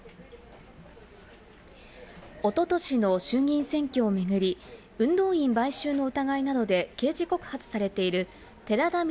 おととしの衆議院選挙を巡り、運動員買収の疑いなどで刑事告発されている寺田稔